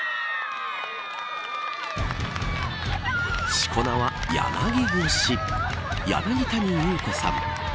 しこ名は柳腰柳谷裕子さん。